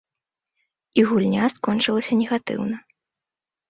І гульня скончылася негатыўна.